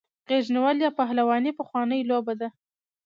غیږ نیول یا پهلواني پخوانۍ لوبه ده.